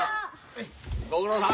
ご苦労さん。